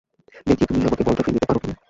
দেখি তুমি আমাকে বলটা ফিরিয়ে দিতে পারো কি-না!